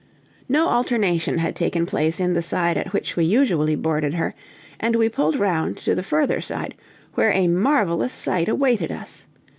No alternation had taken place in the side at which we usually boarded her, and we pulled round to the further side, where a marvelous sight awaited us.